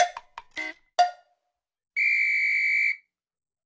ピッ！